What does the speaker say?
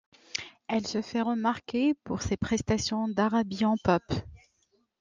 Elle se fait remarquer pour ses prestations d'arabian pop.